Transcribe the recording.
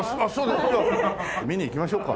じゃあ見に行きましょうか。